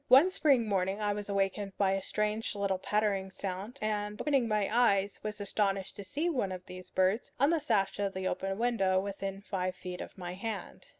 One spring morning I was awakened by a strange little pattering sound, and, opening my eyes, was astonished to see one of these birds on the sash of the open window within five feet of my hand.